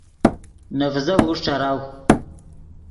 نے ڤیزف اوݰ ݯراؤ